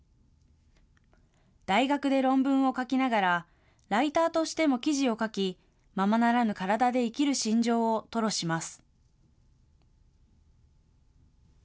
大学で論文を書きながら、ライターとしても記事を書き、ままならぬ体で生きる真情を吐露します。